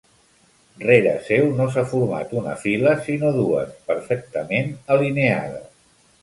Rere seu no s'ha format una fila, sinó dues, perfectament alineades.